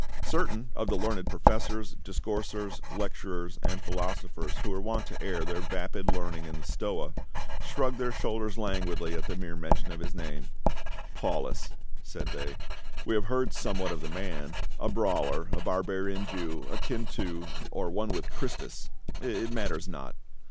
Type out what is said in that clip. Certain of the learned professors, discoursers, lecturers and philosophers who were wont to air their vapid learning in the Stoa, shrugged their shoulders languidly at the mere mention of his name, " Paulus," said they, " we have heard somewhat of the man, a brawler, a barbarian Jew, akin to, or one with Christus — it matters not.